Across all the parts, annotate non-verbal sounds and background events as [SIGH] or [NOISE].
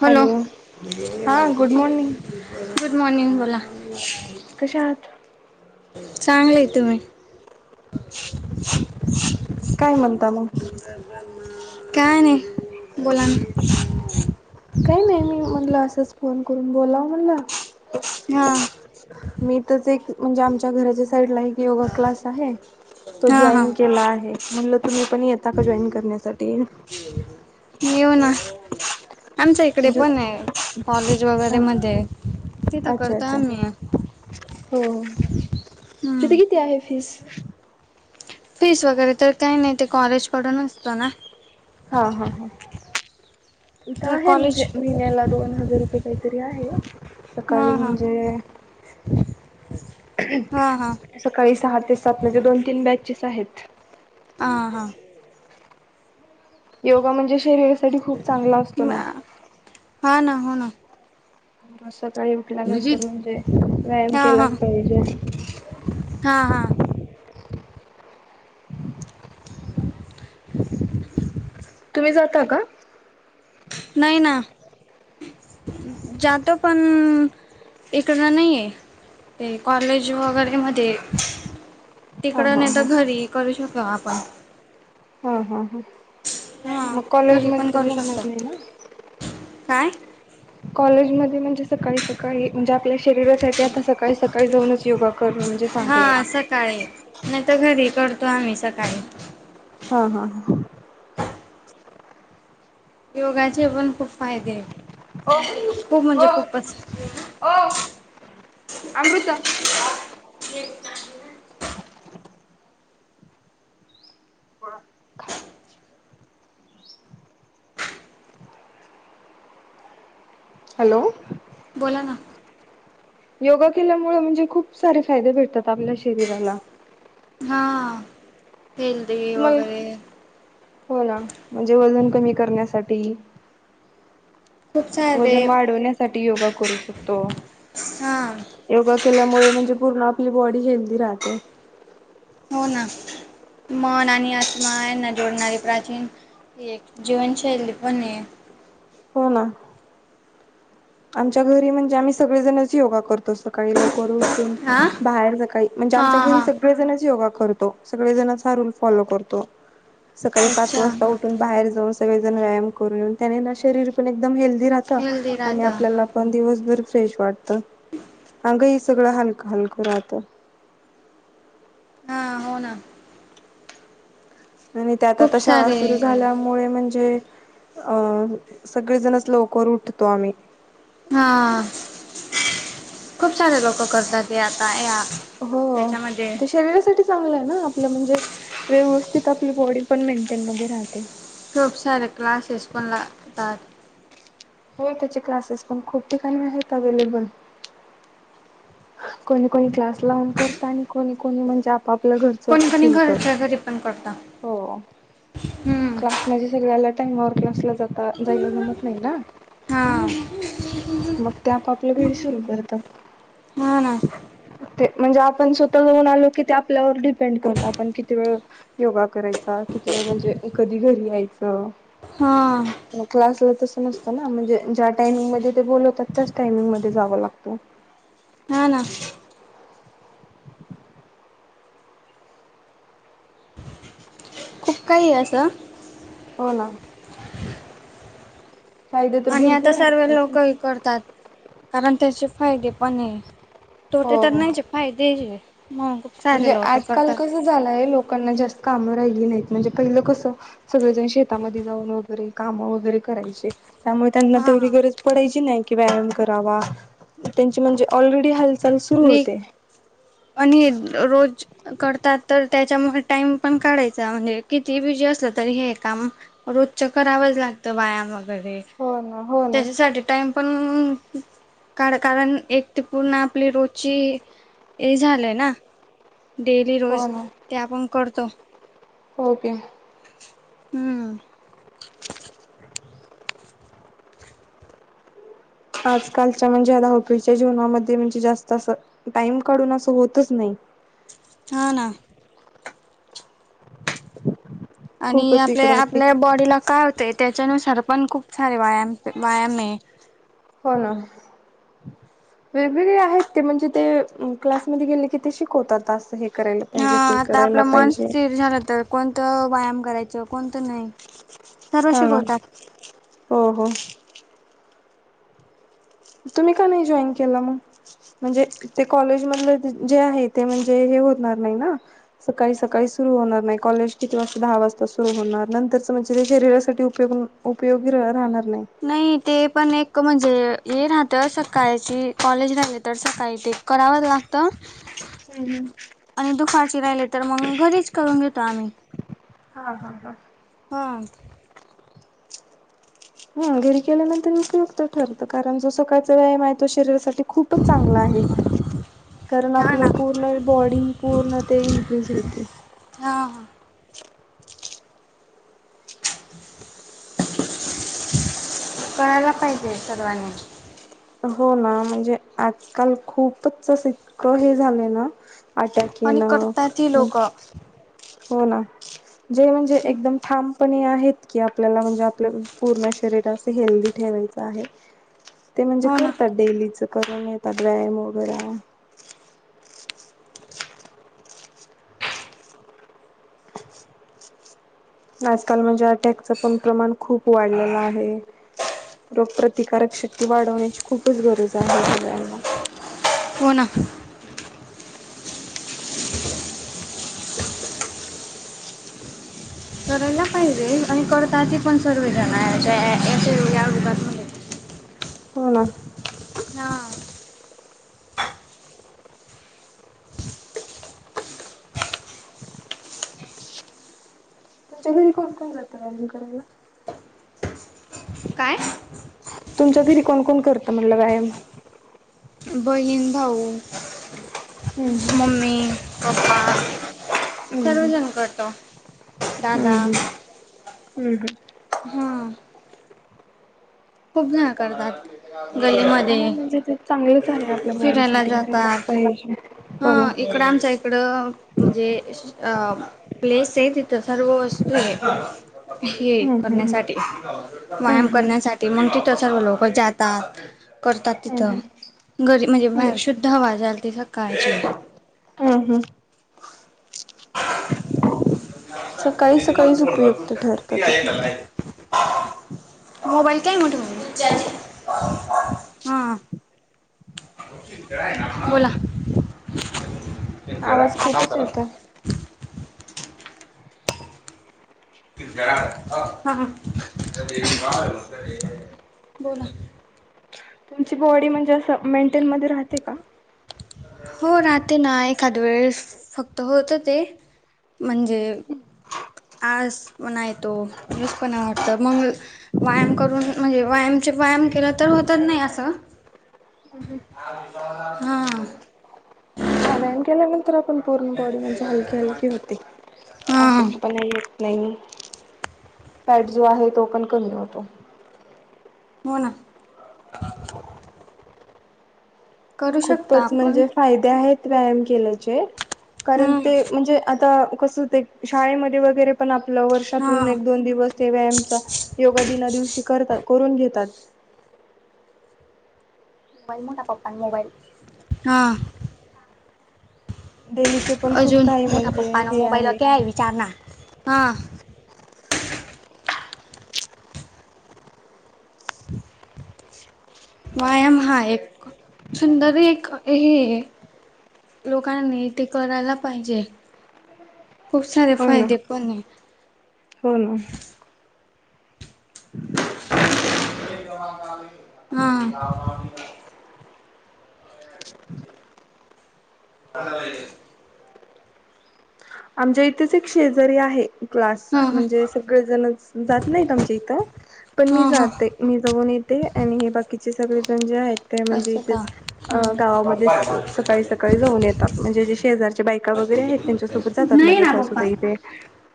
Hello.. हा good morning good morning बोला कशा आहात? चांगले तुम्ही.. काय म्हणता मग.. काय नाही बोला ना... म्हणला असंच फोन करून बोलाव म्हणला... हा... मी तरच एक म्हणजे आमच्या घराच्या साईड ला एक योगा क्लास आहे. तो हां हां जॉईन केला आहे म्हटलं तुम्ही पण येता का जॉईन करण्यासाठी... येऊ ना आमच्या इकडे म्हणजे पण आहे कॉलेज वगैरे मध्ये... ते तर अच्छा करताय अच्छा आम्ही.. हो तिथे हम्म. किती आहे फीज... फीस वगैरे तर काही नाही ते कॉलेज कडून असतो ना... हा हा हा... इथं तर आहे कॉलेज म्हणजे महिन्याला दोन हजार रुपये काहीतरी आहे हां सकाळी हां म्हणजे.... ह... हां हां सकाळी सहा ते सात मजे दोन तीन बॅचेस आहेत आ हां योगा म्हणजे शरीरासाठी खूप चांगला असतो ना हा ना हो ना सकाळी उठल्यानंतर म्हणजे व्यायाम हां हां केलाच पाहिजे हां हां तुम्ही जाता का? नाही ना जातो पण इकडन नाहीये ते कॉलेज वगैरे म हा तिकड हा नाही हा तर घरी करू शको आपण हा हा ह हा मग कॉलेज घरी म पण तर करू शकतो. जमणार नाही ना काय? कॉलेजमध्ये म्हणजे सकाळी सकाळी म्हणजे आपल्या शरीरासाठी आता सकाळी सकाळी जाऊनच योगा करणं म्हणजे हा चांगलं आहे. सकाळी नाही तर घरी करतो आम्ही सकाळी हा हां हां योगाचे पण खूप फायदे खूप ओ ओ म्हणजे खूपच ओ अमृता हॅलो बोला ना योगा केल्यामुळे म्हणजे खूप सारे फायदे भेटतात आपल्या शरीराला हा हेल्दी तुम्हाला वगैरे हो ना म्हणजे वजन कमी करण्यासाठी खूप सारे वजन वाढवण्यासाठी योगा करू शकतो हा योगा केल्यामुळे म्हणजे पूर्ण आपली बॉडी हेल्दी राहते हो ना मन आणि आत्मा यांना जोडणारी प्राचीन ही एक जीवनशैली पण आहे हो ना आमच्या घरी म्हणजे आम्ही सगळेजणच योगा करतो सकाळी लवकर हा बाहेर सकाळी म्हणजे हा आमच्या घरी हा सगळेजणच योगा करतो सगळे जणंच हा रूल फॉलो करतो सकाळी पाच अच्छा वाजता हा उठून बाहेर जाऊन सगळे जणं व्यायाम करून त्या शरीर पण एक हेल्थी राहत हेल्दी आणि राहतं हा. आपल्याला पण दिवस जर फ्रेश वाटत अंग ही सगळं हलकं हलकं राहत [UNINTELLIGIBLE] होना. आणि त्यात आता शाळा सारे सुरू झाल्यामुळे म्हणजे, अं सगळेजणच लवकर उठतो आम्ही. हा खूप सारे लोक करतात हे आता या हो याच्यामध्ये त्या शरीरासाठी चांगलं आहे ना आपलं म्हणजे व्यवस्थित आपली बॉडी पण मेंटेन मध्ये राहते. खूप सारे क्लासेस पण लागतात. हो त्याचे क्लासेस पण खूप ठिकाणी आहेत अवेलेबल. कोणी कोणी क्लास लावून करत आणि कोणी कोणी म्हणजे, आप आपल्या घरचं कोणी कोणी सुरू घरच्या करतात घरी पण करतात हो. हम्म क्लास माझे सगळ्याला टाईमा वर क्लासला जात जायला जमत नाही ना. हा मग ते आपापलं घरी सुरू करतात. हा ना ते म्हणजे आपण स्वतः लाऊन आलो की ते आपल्यावर डिपेंड करत आपण किती वेळ योगा करायचा. किती वेळ म्हणजे कधी घरी यायचं. हा. क्लासला तस नसतं ना म्हणजे ज्या टाइमिंग मध्ये ते बोलवतात त्याच टायमिंग मध्ये जावं लागतो. [UNINTELLIGIBLE] ह ना. खूप काही असं. हो ना. फायदे तर आणि आता भरपूर आहेत सर्व त्याचे लोकही करतात. कारण त्याचे फायदे पणय. हो तोटे तर हो नाहीचे फायदेय. म्हणजे आजकाल कसं झालंय, लोकांना जास्त कामं राहिली नाही. म्हणजे पहिलं कस, सगळेजण शेतामध्ये जाऊन वगैरे काम वगैरे करायचे. त्यामुळे त्यांना हा तेवढी गरज पडायची नाही की, व्यायाम करावा. त्यांची म्हणजे ऑलरेडी हल् आणि आणि रोज करतात तर त्याच्यामुळे टाइम पण काढायचा. म्हणजे किती बिजी असलं तरी हे काम रोजच करावंच लागतं. व्यायाम वगैरे हो ना हो ना त्याच्यासाठी टाइम पण कार कारण एक ते पूर्ण आप आपली रोची हे झालंय ना. डेली हो रोज, ना ते आपण करतो. हो की. हम्. आजकालच्या म्हणजे आता धावपळीच्या जीवनामध्ये म्हणजे, जास्त असं टाइम काढून असं होतच नाही. [UNINTELLIGIBLE] हा ना. आणि खूपच आपल्या, इकडं ति आपल्या बॉडीला काय होतय त्याच्यानुसार पण खूप सारे व्यायाम, व्यायामय हो ना. वेगवेगळे आहेत ते म्हणजे ते, क्लासमध्ये गेले की ते शिकवतात ते. असं हे करायला हा, पाहिजे ते आता करायला आपलं मन पाहिजे स्थिर झालं तर कोणतं व्यायाम करायचं, कोणतं नाही. सर्व हा ना, शिकवतात हो, हो. तुम्ही का नाही जॉईन केलं मग? म्हणजे ते कॉलेज मधले जे आहे ते, म्हणजे हे होणार नाही ना. सकाळी सकाळी सुरू होणार नाही. कॉलेज किती वाजता? दहा वाजता सुरू होणार. नंतरच म्हणजे ते शरीरासाठी उपयोग उपयोगी राहणार नाही ते पण एक म्हणजे, हे राहत सकाळची कॉलेज झाले तर सकाळी ते करावं लागत हम्म हम्म आणि दुपारची राहिले तर मग, घरीच करून घेतो आम्ही. हा, हा, हा. हां. हा घरी केल्यानंतर उपयुक्त ठरत कारण, जो सकाळचा व्यायाम आहे तो शरीरासाठी खूपच चांगला आहे. कारण हा आपलं ना पूर्ण बॉडी, पूर्ण ते इनक्रीज होती. हा [UNINTELLIGIBLE] करायला पाहिजे सर्वांनी. हो ना, म्हणजे, आजकाल खूपच अस इतकं हे झालंय ना. आटॅक आणि येणं करतात ही लोक हो हो ना, जे म्हणजे एकदम थांब पण आहेत की, आपल्याला म्हणजे आपल पूर्ण शरीर अस हेल्दी ठेवायचं आहे. ते म्हणजे ना करतात डेलीच करून येतात. व्यायाम वगैरा. आजकाल म्हणजे, अटॅकच पण प्रमाण खूप वाढलेलं आहे. रोगप्रतिकारक शक्ती वाढवण्याची खूप च गरज आहे, सगळ्यांना. हो ना करायला पाहिजे आणि करता ते पण सर्व जण याच्या याच्या या [UNINTELLIGIBLE] हो ना. हा. तुमच्या घरी कोण कोण जातं वॅम करायला [UNINTELLIGIBLE] काय तुमच्या घरी कोण कोण करत म्हणलं, व्यायाम. बहीण, भाऊ, हम्म मम्मी, पप्पा, सर्वजण करतात. हम् हम् हम् हम्... हा.. खूप जन करतात. हा गल्लीमध्ये! म्हणजे ते चांगलंच आहे आपल्या फिरायला बॉडीसाठी करायलाच जातात. पाहिजे ह हो ना इकड, आमच्या इकडं, म्हणजे प्लेस आहे. तिथं सर्व वस्तू आहे. हे हम्म हम्म करण्यासाठी, व्यायाम हम्म करण्यासाठी, तिथ सर्व लोक जातात. करतात तिथं, घरी म्हणजे बाहेर शुद्ध हवा झालती सकाळची. हम, हम, ते सकाळी म सकाळीच फो तू उपयुक्त ठरतं ते. तला [UNINTELLIGIBLE] मोबाईल काय मोठ हा [UNINTELLIGIBLE] बोला. केळा आवाज खूपच कामतरा येतो. [UNINTELLIGIBLE] [UNINTELLIGIBLE] बोला... तुमची बॉडी म्हणजे, असं मेंटेन मध्ये राहते का? हो राहते ना, एखाद्या वेळेस फक्त होत ते म्हणजे आळसपणा येतो, लूजपणा वाटतं, म्हणून व्यायाम करून म्हणजे व्यायाम म्हणजे व्यायाम केला तर होतच नाही अस! हा व्यायाम केल्यानंतर आपण पूर्ण बॉडी म्हणजे, हलकी हलकी होते हा अशक्त पणा येत नाही फॅट जो आहे तो पण कमी होतो. हो ना... करू शकता खूपच आपण म्हणजे फायदे आहेत. व्यायाम केल्याचे, कारण हम्म ते म्हणजे आता कसं ते, शाळेमध्ये वगरे पण आपण नव हा. वर्षातून एक दोन दिवस ते व्यायामचा, योगा दिना दिवशी करतात करून घेतात. मोबाईल मोठा पप्पा न मोबाईल हा [UNINTELLIGIBLE] डेलीचे पण खूप अजून काही मोठ म्हणजे पप्पा न हे मोबाईललाक आहे विचार ना [UNINTELLIGIBLE] हा... [INAUDIBLE] व्यायाम हा एक, सुंदर एक हे लोकांनी ते करायला पाहिजे. खूप सारे हो ना फायदे पण आहे. हो ना. हा.. ह [UNINTELLIGIBLE] आमच्या इथेच एक शेजारी आहे. क्लास हा हा म्हणजे, सगळेजण जात नाहीत आमच्या इथं, पण हा मी हा जाते मी जाऊन ते आणि हे, बाकीचे सगळे जण जे आहेत ते म्हणजे असं का इथेच अ हम्म. गावामध्ये सकाळी सकाळी जाऊन येतात, म्हणजे ज शेजारच्या बायका वग त्यांच्यासोबत जातात नाही माझ्या ना पप्पा. सासू इथे [UNINTELLIGIBLE]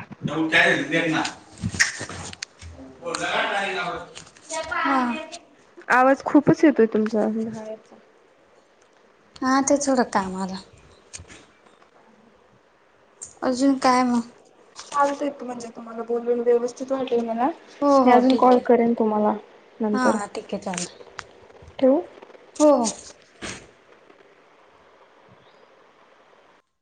जव कय रद ना [UNINTELLIGIBLE] हा... आवाज खूपच येतोय तुमचा. हा ते थोडं काम आला. अजून काय मग चात म्हणजे तुम्हाला बोलून व्यवस्थित वा मला हो मी हो अजून कॉल ठीक आहे. करेन तुम्हाला हा नंतर हा ठीक आहे चालेल ठेवू? हो